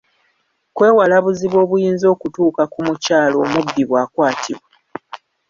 Kwewala buzibu obuyinza okutuuka ku mukyala omubbi bw’akwatibwa.